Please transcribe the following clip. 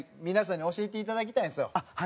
皆さんに教えていただきたいんですよ。